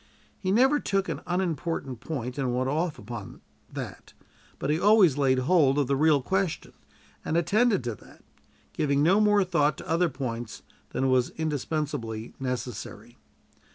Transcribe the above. He never took an unimportant point and went off upon that; but he always laid hold of the real question, and attended to that, giving no more thought to other points than was indispensably necessary.